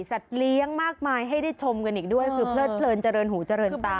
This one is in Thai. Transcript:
เลี้ยงมากมายให้ได้ชมกันอีกด้วยคือเพลิดเพลินเจริญหูเจริญตา